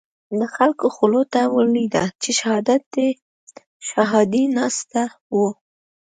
د خلکو خولو ته ولويده چې شهادي ناسنته وو.